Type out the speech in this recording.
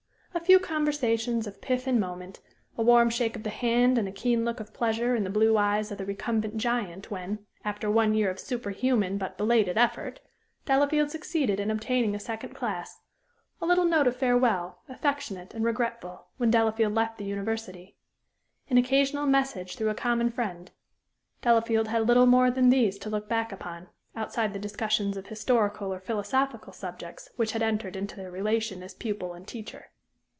A few conversations of "pith and moment"; a warm shake of the hand and a keen look of pleasure in the blue eyes of the recumbent giant when, after one year of superhuman but belated effort, Delafield succeeded in obtaining a second class; a little note of farewell, affectionate and regretful, when Delafield left the university; an occasional message through a common friend Delafield had little more than these to look back upon, outside the discussions of historical or philosophical subjects which had entered into their relation as pupil and teacher.